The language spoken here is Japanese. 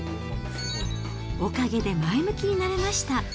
おかげで前向きになれました。